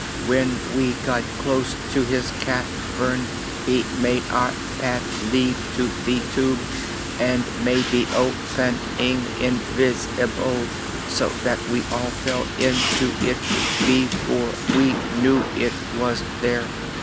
When we got close to his cav ern he made our path lead to the Tube, and made the op en ing in vis i ble, so that we all fell in to it be fore we knew it was there.